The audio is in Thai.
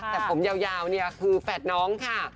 แต่ผมยาวเนี่ยคือแฝดน้องค่ะ